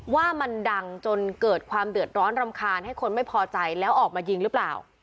ว่ามันดังจนเกิดความเดือดร้อนรำคาญให้คนไม่พอใจแล้วออกมายิงหรือเปล่า